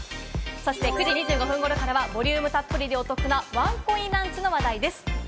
９時２５分ごろからはボリュームたっぷりでお得なワンコインランチの話題です。